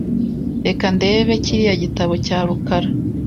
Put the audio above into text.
Reka ndebe kiriya gitabo cya rukara .